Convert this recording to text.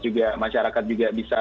juga masyarakat juga bisa